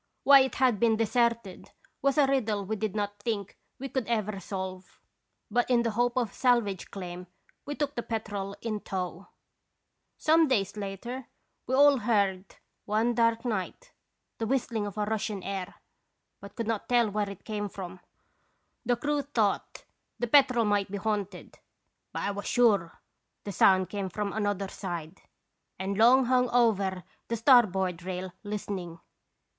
Why it had been deserted was a riddle we did not think we could ever solve, but in the hope of salvage claim we took the Petrel in tow. "Some days later we all heard^ one dark night, the whistling of a Russian air, but could not tell where it came from. The crew thought the Petrel might be haunted; but I was sure the sound came from another side, and long hung over the starboard rail listening.